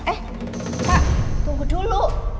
eh pak tunggu dulu